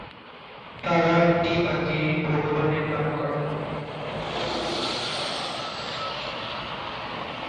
তারা এটি বাজিয়ে ভগবানের গান করে।